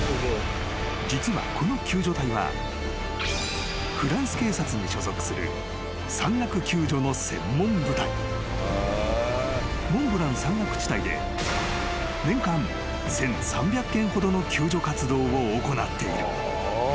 ［実はこの救助隊はフランス警察に所属する山岳救助の専門部隊］［モンブラン山岳地帯で年間１，３００件ほどの救助活動を行っている］